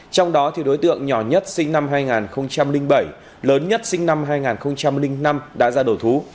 trong đó đối tượng nhỏ nhất sinh năm hai nghìn bảy lớn nhất sinh năm hai nghìn năm đã ra đổ thú